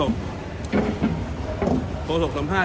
โทษสมภาษณ์ที่กินได้ไงนะ